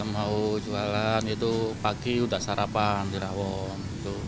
mau jualan itu pagi udah sarapan di rawon